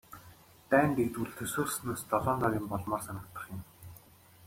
Дайн дэгдвэл төсөөлснөөс долоон доор юм болмоор санагдах юм.